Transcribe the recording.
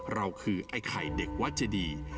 เราคือไอ้ไข่เด็กวัดเจดี